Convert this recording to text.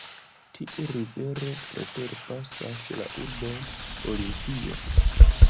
Tiu rivero preterpasas la urbon Olimpio.